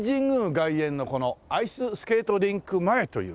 外苑のこのアイススケートリンク前というね。